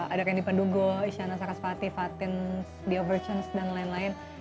ada randy padugo isyana sarasvati fatin the overture dan lain lain